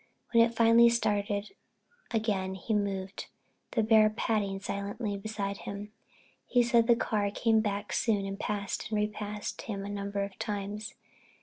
When it finally started again he moved on, the bear padding silently beside him. He said the car came back soon and passed and repassed him a number of times.